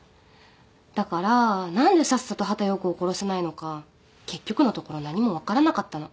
だから何でさっさと畑葉子を殺さないのか結局のところ何も分からなかったの。